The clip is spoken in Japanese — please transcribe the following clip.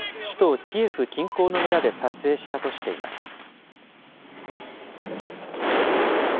首都キエフ近郊の村で撮影したとしています。